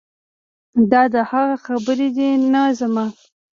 دا د هغه خبرې دي نه زما.